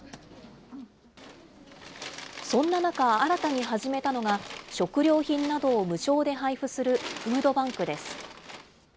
そんな中、新たに始めたのが食料品などを無償で配布するフードバンクです。